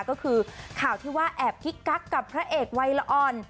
ก็คือข่าวที่ว่าแอบกิ๊กกักกับพระเอกวัยละอ่อน